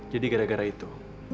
jadi gara gara itu